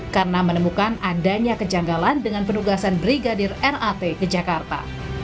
karena menemukan adanya kejanggalan dengan penugasan brigadir rat ke jakarta